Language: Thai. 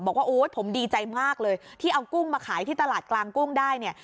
โอ๊ยผมดีใจมากเลยที่เอากุ้งมาขายที่ตลาดกลางกุ้งได้เนี่ย